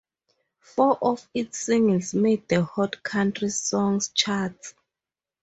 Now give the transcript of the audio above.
Four of its singles made the Hot Country Songs charts.